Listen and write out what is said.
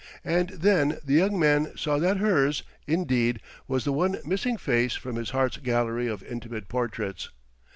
And then the young man saw that hers, indeed, was the one missing face from his heart's gallery of intimate portraits.